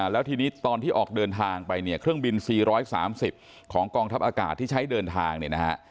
แล้วทีนี้ตอนที่ออกเดินทางไปเนี่ยเครื่องบิน๔๓๐ของกองทัพอากาศที่ใช้เดินทางเนี่ยนะฮะ